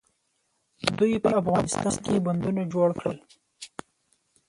دوی په افغانستان کې بندونه جوړ کړل.